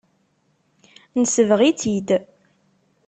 Nesbeɣ-itt-id.